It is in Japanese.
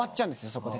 そこで。